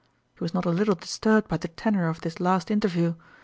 He was not a little disturbed by the tenor of this last interview.